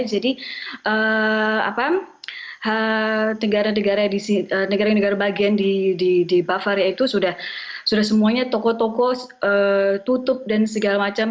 jadi negara negara bagian di bavaria itu sudah semuanya toko toko tutup dan segala macam